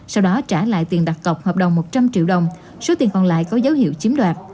sau đó trả lại tiền đặt cọc hợp đồng một trăm linh triệu đồng số tiền còn lại có dấu hiệu chiếm đoạt